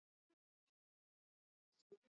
Marafiki wa utotoni walitaniana